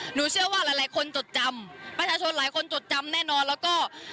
หนูเชื่อว่าหลายหลายคนจดจำประชาชนหลายคนจดจำแน่นอนแล้วก็